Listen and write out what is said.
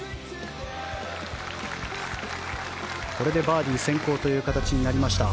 これでバーディー先行という形になりました。